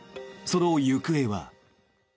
その行方は。